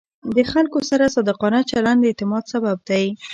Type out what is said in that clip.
د خلکو سره صادقانه چلند د اعتماد سبب دی.